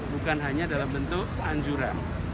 bukan hanya dalam bentuk anjuran